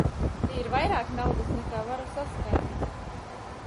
Te ir vairāk naudas, nekā varu saskaitīt.